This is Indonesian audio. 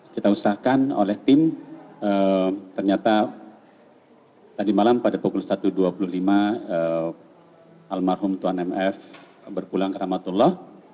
kita usahakan oleh tim ternyata tadi malam pada pukul satu dua puluh lima almarhum tuan mf berpulang ke ramatullah